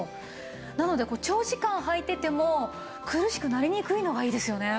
なので長時間はいてても苦しくなりにくいのがいいですよね。